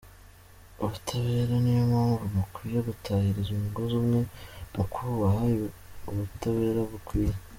ubutabera, niyo mpamvu mukwiye gutahiriza umugozi umwe mu kubaha ubutabera bukwiye.”